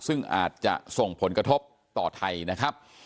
ซึ่งอาจจะส่งผลกระทบต่อไทยนะครับ